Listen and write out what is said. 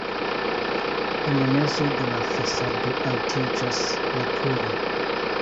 En mezo de la fasado altiĝas la turo.